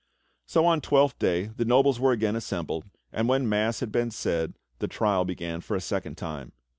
So on Twelfth Day the nobles were again assembled, and when mass had been said the trial began for a second time.